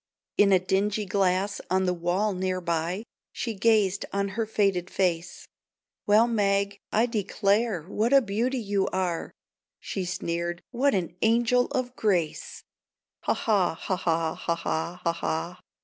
In a dingy glass on the wall near by She gazed on her faded face. "Well, Meg, I declare, what a beauty you are! She sneered, "What an angel of grace! Ha, ha, ha, ha, ha, ha, ha, ha!